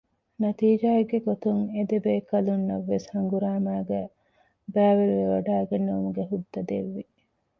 ނަތީޖާއެއްގެ ގޮތުން އެދެބޭކަލުންނަށްވެސް ހަނގުރާމައިގައި ބައިވެރިވެވަޑައިގެންނެވުމުގެ ހުއްދަ ދެއްވި